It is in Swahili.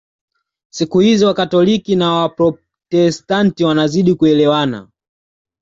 Siku hizi Wakatoliki na Waprotestanti wanazidi kuelewana